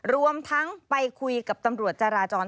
รวมทั้งไปคุยกับตำรวจจาราจร